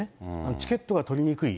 チケットが取りにくい。